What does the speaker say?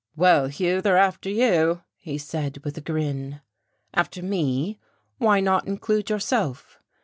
"Well, Hughie, they're after you," he said with a grin. "After me? Why not include yourself?"